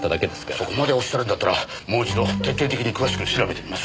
そこまでおっしゃるんだったらもう一度徹底的に詳しく調べてみます。